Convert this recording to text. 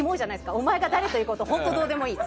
お前が誰と行こうと本当どうでもいいって。